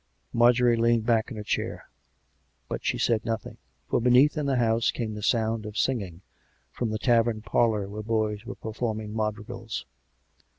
Marjorie leaned back in her chair; but she said nothing. From beneath in the house came the sound of singing, from the tavern parlour where boys were performing madrigals.